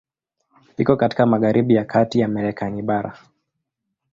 Iko katika magharibi ya kati ya Marekani bara.